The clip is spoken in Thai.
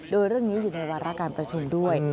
โดยเรื่องนี้อยู่ในวาระการประชุมด้วย